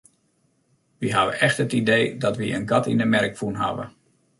Wy hawwe echt it idee dat wy in gat yn 'e merk fûn hawwe.